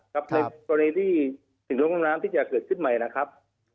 ครับในกรณีสิ่งร่วมร่ำน้ำที่จะเกิดขึ้นใหม่นะครับ